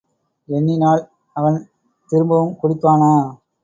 எண்ணினால், அவன் திரும்பவுங் குடிப்பானா?